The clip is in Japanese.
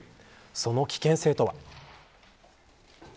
その危険性とは。